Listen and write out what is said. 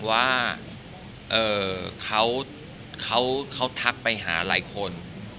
ว่าเอ่อเขาตักไปหาหลายคน